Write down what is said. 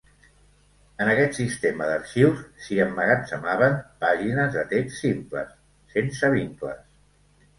En aquest sistema d'arxius s'hi emmagatzemaven pàgines de text simple sense vincles.